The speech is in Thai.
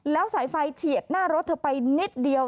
แล้วสายไฟเฉียดหน้ารถเธอไปนิดเดียว